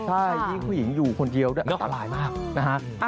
ใช่ยิ่งผู้หญิงอยู่คนเดียวด้วยอันตรายมากนะฮะ